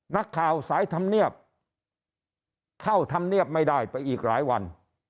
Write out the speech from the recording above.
นักข่าวสายธรรมเนียบเข้าธรรมเนียบไม่ได้ไปอีกหลายวัน